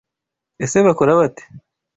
Ese Bakora bate?